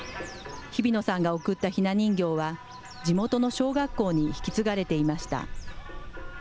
日比野さんが贈ったひな人形は、地元の小学校に引き継がれていました。